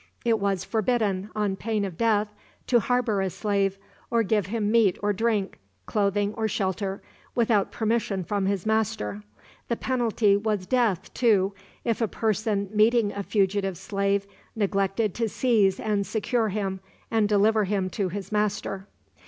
It was forbidden, on pain of death, to harbor a slave, or give him meat or drink, clothing or shelter, without permission from his master. The penalty was death, too, if a person meeting a fugitive slave neglected to seize and secure him, and deliver him to his master.